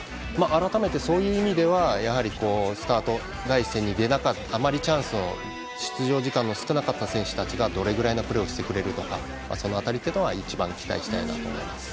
改めて、そういう意味ではスタート、第１戦であまりチャンスがなく出場時間が少なかった選手がどれぐらいのプレーをしてくれるか、その辺りに一番期待したいと思います。